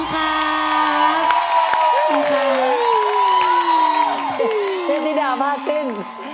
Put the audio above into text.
เจ้าติดาพาติ้น